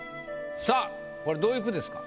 さぁこれどういう句ですか？